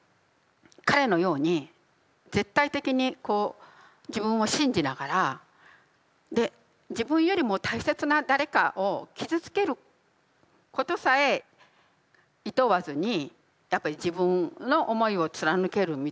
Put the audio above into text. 彼のように絶対的にこう自分を信じながらで自分よりも大切な誰かを傷つけることさえいとわずにやっぱり自分の思いを貫けるみたいな。